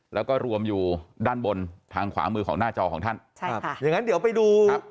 แล้วก็รวมอยู่ด้านบนทางขวามือของหน้าจอของท่านใช่ครับอย่างนั้นเดี๋ยวไปดูครับ